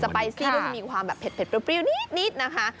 ไปซี่ก็จะมีความแบบเผ็ดเปรี้ยวนิดนะคะ